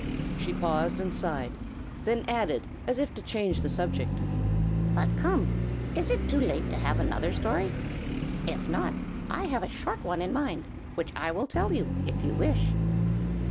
She paused and sighed, then added, as if to change the subject, "But, come! is it too late to have another story? If not, I have a short one in mind, which I will tell you, if you wish."